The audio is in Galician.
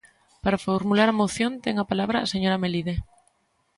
Para formular a moción ten a palabra a señora Melide.